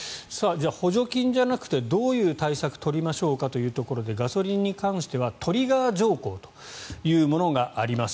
じゃあ補助金じゃなくてどういう対策を取りましょうかということでガソリンに関してはトリガー条項というものがあります。